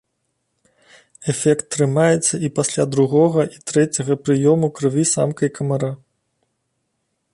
Эфект трымаецца і пасля другога і трэцяга прыёму крыві самкай камара.